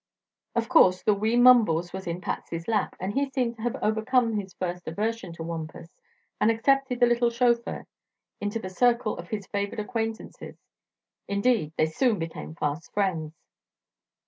Of course the wee Mumbles was in Patsy's lap, and he seemed to have overcome his first aversion of Wampus and accepted the little chauffeur into the circle of his favored acquaintances. Indeed, they soon became fast friends.